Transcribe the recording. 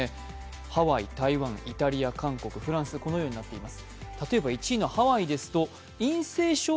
ハワイ、台湾、イタリア、韓国、フランス、このようになっています。